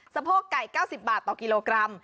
โพกไก่๙๐บาทต่อกิโลกรัม